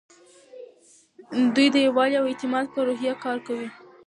دوی د یووالي او اعتماد په روحیه کار کوي.